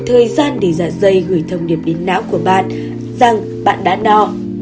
thời gian để giả dây gửi thông điệp đến não của bạn rằng bạn đã no